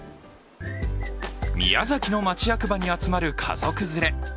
宮崎の町役場に集まる家族連れ。